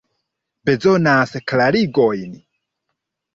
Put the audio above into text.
Bezonas klarigojn?